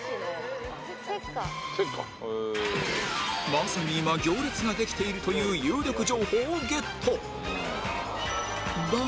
まさに今行列ができているという有力情報をゲット